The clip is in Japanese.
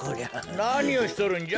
なにをしとるんじゃ？